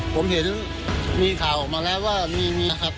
ผมเห็นมีข่าวออกมาแล้วว่ามีนะครับ